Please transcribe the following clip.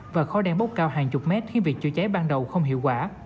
và khói đen bốc cao hàng chục mét khiến việc chữa cháy ban đầu không hiệu quả